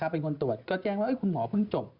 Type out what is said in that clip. เป็นคนตรวจก็แจ้งว่าคุณหมอเพิ่งจบ